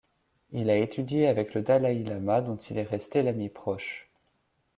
Il a étudié avec le dalaï-lama, dont il est resté l'ami proche.